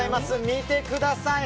見てください！